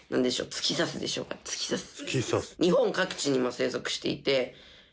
「突き刺す」でしょうか突き刺す。